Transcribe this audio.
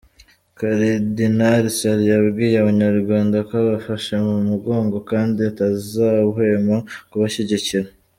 Karidinali Sarr yabwiye Abanyarwanda ko abafashe mu mugongo kandi atazahwema kubashyigikira.